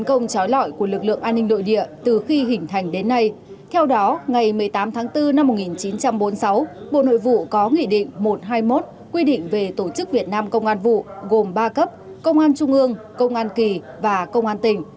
bộ nội vụ có nghị định một trăm hai mươi một quy định về tổ chức việt nam công an vụ gồm ba cấp công an trung ương công an kỳ và công an tỉnh